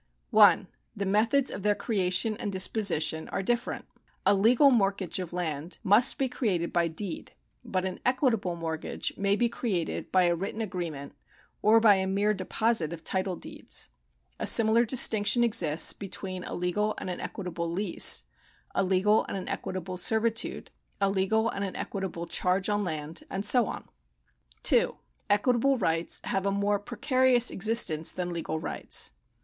L The methods of their creation and disposition are different. A legal mortgage of land must be created by deed, but an equitable mortgage may be created by a written agreement or by a mere deposit of title deeds. A similar distinction exists between a legal and an equitable lease, a legal and an equitable servitude, a legal and an equitable charge on land, and so on. 2. Equitable rights have a more precarious existence than legal rights.